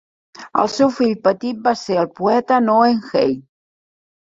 El seu fill petit va ser el poeta Moe Hein.